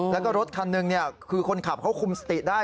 แล้วก็รถคันหนึ่งคือคนขับเขาคุมสติได้